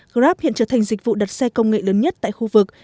grab hiện trở thành dịch vụ đặt xe công nghệ lớn nhất tại khu vực